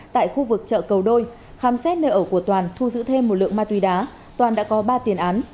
tại khu vực chợ cầu đôi khám xét nơi ở của toàn thu giữ thêm một lượng ma túy đá toàn đã có ba tiền án